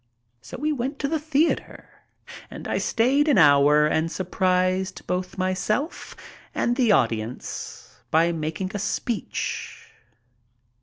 So we went to the theater, and I stayed an hour and surprised both myself and the audience by making a speech.